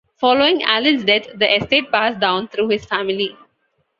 Following Allen's death the estate passed down through his family.